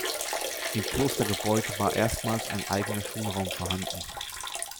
Im Klostergebäude war erstmals ein eigener Schulraum vorhanden.